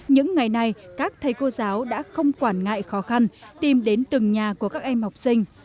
những ngày này các thầy cô giáo đã không quản ngại khó khăn tìm đến từng nhà của các em học sinh